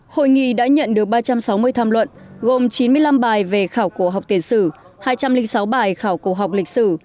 hội nghị đã nhận được ba trăm sáu mươi tham luận gồm chín mươi năm bài về khảo cổ học tiền sử hai trăm linh sáu bài khảo cổ học lịch sử